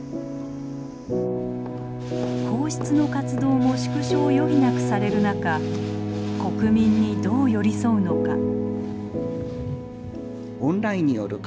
皇室の活動も縮小を余儀なくされる中国民にどう寄り添うのか。